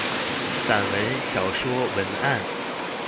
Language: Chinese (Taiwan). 散文、小說、文案